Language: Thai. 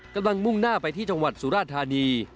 กำลังมุ่งหน้าไปที่จังหวัดสุราธารณี